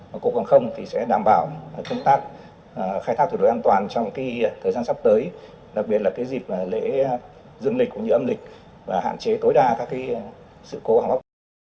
bộ hàng không thì sẽ đảm bảo công tác khai thác thủ đối an toàn trong cái thời gian sắp tới đặc biệt là cái dịp lễ dương lịch cũng như âm lịch và hạn chế tối đa các cái sự cố hãng rút